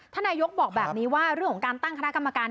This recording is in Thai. นายกบอกแบบนี้ว่าเรื่องของการตั้งคณะกรรมการ